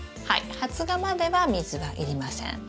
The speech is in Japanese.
はい発芽までは水はいりません。